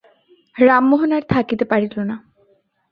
রামমোহন আর থাকিতে পারিল না।